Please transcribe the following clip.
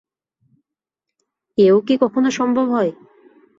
এও কি কখনো সম্ভব হয়।